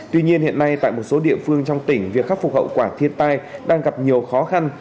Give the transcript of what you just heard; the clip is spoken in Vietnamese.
tuy nhiên hiện nay tại một số địa phương trong tỉnh việc khắc phục hậu quả thiên tai đang gặp nhiều khó khăn